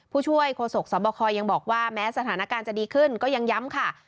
ผู้ช่วยโฆษกสบคยังบอกว่าแม้สถานการณ์จะดีขึ้นก็ยังย้ำค่ะ